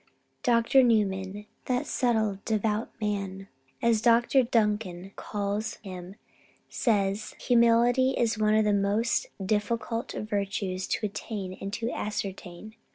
Dr. Newman, "that subtle, devout man," as Dr. Duncan calls him, says that "humility is one of the most difficult of virtues both to attain and to ascertain.